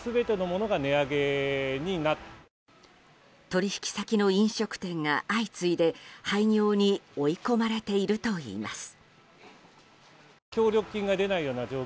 取引先の飲食店が、相次いで廃業に追い込まれているといいます。